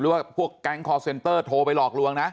ว่าพวกแก๊งคอร์เซ็นเตอร์โทรไปหลอกลวงนะ